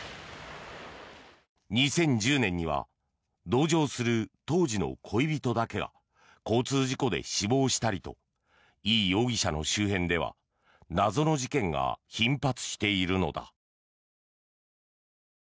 ２０１０年には同乗する当時の恋人だけが交通事故で死亡したりとイ容疑者の周辺では謎の事件が頻発しているのだ。